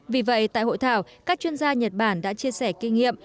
vì vậy tại hội thảo các chuyên gia nhật bản đã chia sẻ kinh nghiệm